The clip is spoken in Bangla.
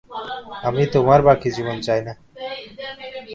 আমি তোমার বাকী জীবন চাই না।